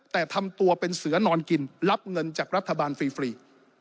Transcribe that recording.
แต่ทำตัวเป็นเสือนอนกินรับเงินจากรัฐบาลฟรี